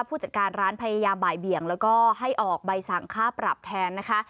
ผู้จัดการร้านพยายามบ่ายเบี่ยงแล้วก็ให้ออกใบสั่งค่าปรับแทนนะคะ